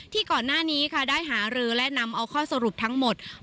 ก่อนหน้านี้ค่ะได้หารือและนำเอาข้อสรุปทั้งหมด